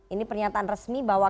ini pernyataan resmi bahwa